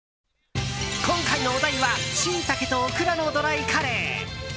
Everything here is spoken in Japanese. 今回のお題はシイタケとオクラのドライカレー。